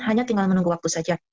hanya tinggal menunggu waktu saja